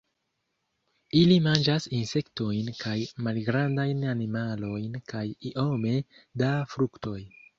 Ili manĝas insektojn kaj malgrandajn animalojn kaj iome da fruktoj.